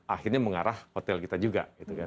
akhirnya mengarah hotel kita juga